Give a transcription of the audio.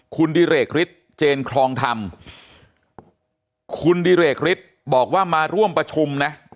คุณดิเรกฤทธิ์เจนครองธรรมคุณดิเรกฤทธิ์บอกว่ามาร่วมประชุมนะ